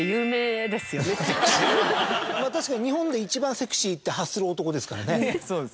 まぁ確かに日本で一番セクシーって発する男ですからね。